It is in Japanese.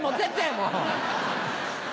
もう。